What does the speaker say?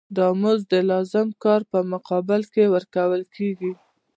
دا مزد د لازم کار په مقابل کې ورکول کېږي